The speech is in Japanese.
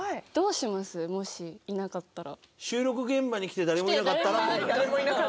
もしいなかったら。